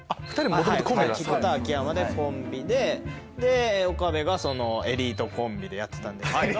僕と秋山でコンビで岡部がエリートコンビでやってたんですけど。